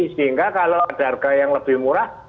sehingga kalau ada harga yang lebih murah